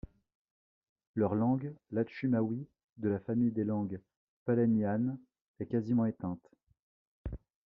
Leur langue, l'achumawi, de la famille des langues palaihnihanes, est quasiment éteinte.